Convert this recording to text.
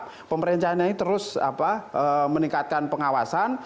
nah pemerintahnya ini terus meningkatkan pengawasan